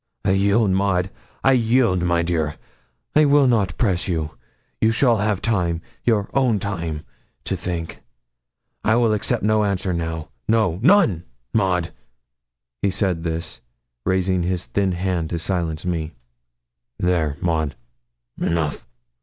'I yield, Maud I yield, my dear. I will not press you; you shall have time, your own time, to think. I will accept no answer now no, none, Maud.' He said this, raising his thin hand to silence me. 'There, Maud, enough.